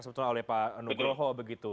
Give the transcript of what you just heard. sebetulnya oleh pak nugroho begitu